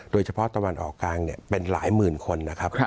โดยเฉพาะตะวันออกกลางเป็นหลายหมื่นคน